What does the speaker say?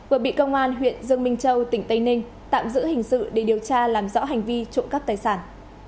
vừa bị công an huyện dương minh châu tỉnh tây ninh tạm giữ hình sự để điều tra làm rõ hành vi trộm cắp tài sản